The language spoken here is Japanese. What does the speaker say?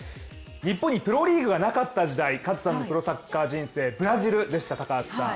日本にプロリーグがなかった時代、プロサッカー人生ブラジルでした。